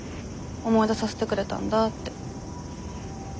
思い出させてくれたんだって。